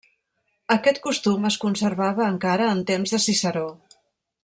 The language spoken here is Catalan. Aquest costum es conservava encara en temps de Ciceró.